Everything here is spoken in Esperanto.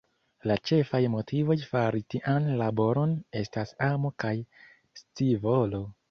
La ĉefaj motivoj fari tian laboron estas amo kaj scivolo.